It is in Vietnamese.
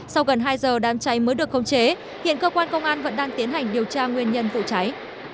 sau gần hai giờ đám cháy mới được khống chế hiện cơ quan công an vẫn đang tiến hành điều tra nguyên nhân vụ cháy